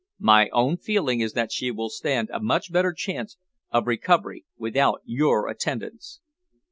My own feeling is that she will stand a much better chance of recovery without your attendance."